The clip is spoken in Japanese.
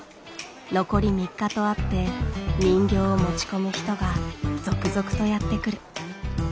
残り３日とあって人形を持ち込む人が続々とやって来る。